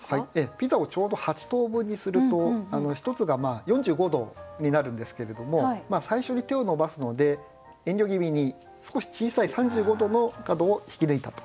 ピザをちょうど８等分にすると１つが４５度になるんですけれども最初に手を伸ばすので遠慮気味に少し小さい３５度の角を引き抜いたと。